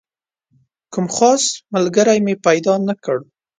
خو کوم خاص ملګری مې پیدا نه کړ.